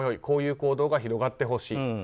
こういう行動が広がってほしい。